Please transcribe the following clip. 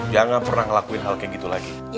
jangan pernah ngelakuin hal kayak gitu lagi